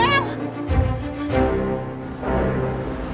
tunggu ibu el